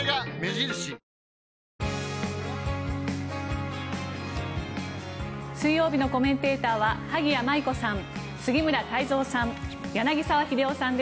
水曜日のコメンテーターは萩谷麻衣子さん、杉村太蔵さん